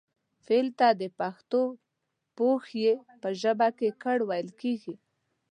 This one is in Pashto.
فعل ته د پښتو پښويې په ژبه کې کړ ويل کيږي